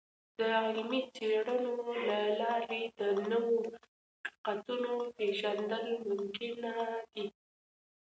د علمي څیړنو له لارې د نوو حقیقتونو پیژندل ممکنه ده.